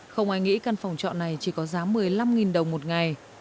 không ai nghĩ căn phòng trọ này chỉ có giá một mươi năm đồng một ngày